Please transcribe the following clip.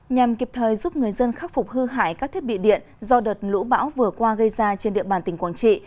nhằm kịp thời giúp người dân khắc phục hư hại các thiết bị điện do đợt lũ bão vừa qua gây ra trên địa bàn tỉnh quảng trị